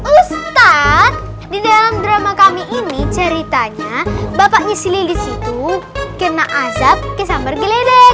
ustaz di dalam drama kami ini ceritanya bapaknya si lilis itu kena azab ke sambar geledek